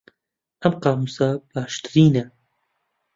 ئەم قامووسە باشترینە.